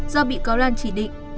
do bị cáo lan chỉ định